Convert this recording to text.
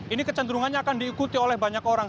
ini kecenderungannya akan diikuti oleh banyak orang